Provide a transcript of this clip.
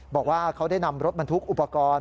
บอกว่าเขาได้นำรถบรรทุกอุปกรณ์